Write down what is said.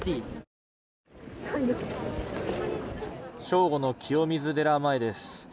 正午の清水寺前です。